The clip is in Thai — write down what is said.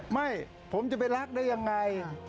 ไม่ผมจะไปรักได้ยังไง